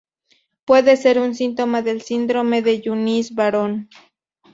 Puede ser un síntoma del síndrome de Yunis-Varón.